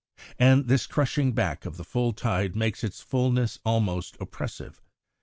And this crushing back of the full tide makes its fulness almost oppressive.